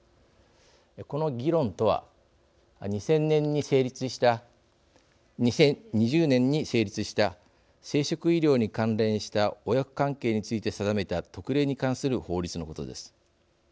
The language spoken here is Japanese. この議論とは２０２０年に成立した生殖医療に関連した親子関係について定めた特例に関する法律のことです。